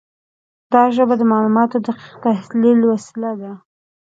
دا ژبه د معلوماتو د دقیق تحلیل وسیله ده.